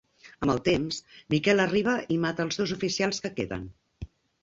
Amb el temps, Miquel arriba i mata els dos oficials que queden.